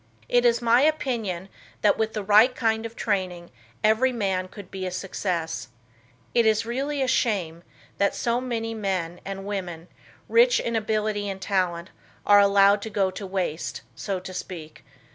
It is my opinion that with the right kind of training every man could be a success. It is really a shame that so many men and women, rich in ability and talent, are allowed to go to waste, so to speak.